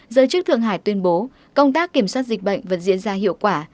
giới chức thượng hải tuyên bố công tác kiểm soát dịch bệnh vẫn diễn ra hiệu quả